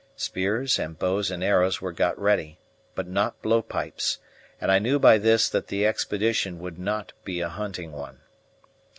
Spears and bows and arrows were got ready, but not blow pipes, and I knew by this that the expedition would not be a hunting one.